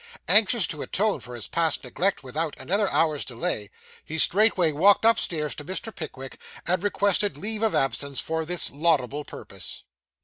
Anxious to atone for his past neglect without another hour's delay, he straightway walked upstairs to Mr. Pickwick, and requested leave of absence for this laudable purpose.